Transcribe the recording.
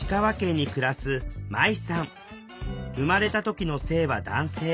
生まれた時の性は男性。